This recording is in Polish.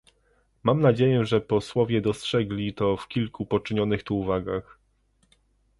Mam nadzieję, że posłowie dostrzegli to w kilku poczynionych tu uwagach